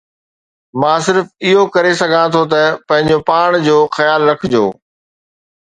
مان صرف اهو ڪري سگهان ٿو ته پنهنجو پاڻ جو خيال رکجو